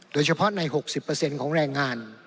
โดยเฉพาะใน๖๐ของแรงงาน